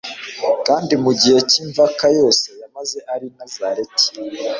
kandi mu gihe cy'imvaka yose yamaze ari I Nazareti,